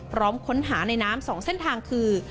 พร้อมค้นหาในน้ำ๒เส้นทางคือ